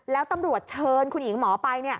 แล้วตำรวจเชิญคุณหญิงหมอไป